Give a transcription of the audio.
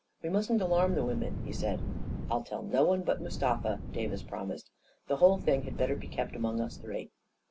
" We mustn't alarm the women," he said. " I'll tell no one but Mustafa," Davis promised. 44 The whole thing had better be kept among us three."